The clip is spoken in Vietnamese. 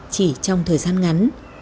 chỉ trong thời gian ngắn